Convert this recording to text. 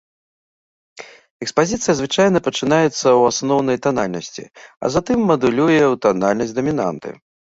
Экспазіцыя звычайна пачынаецца ў асноўнай танальнасці, а затым мадулюе ў танальнасць дамінанты.